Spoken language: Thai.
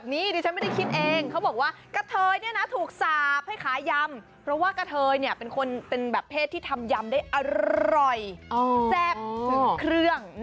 คุณไม่เอาไปจับตายหรอกเค้าบอกกันแบบนี้ดิฉันไม่ได้คิดเอง